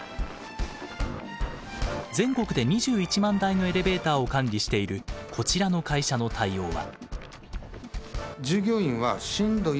全国で２１万台のエレベーターを管理しているこちらの会社の対応は。